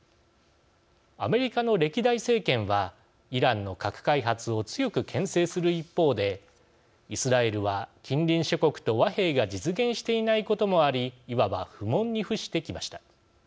アメリカの歴代政権はイランの核開発を強くけん制する一方でイスラエルは近隣諸国と和平が実現していないこともありいわば不問に付してきました。